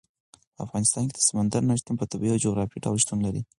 په افغانستان کې د سمندر نه شتون په طبیعي او جغرافیایي ډول شتون لري.